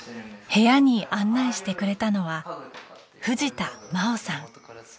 部屋に案内してくれたのは藤田真央さん。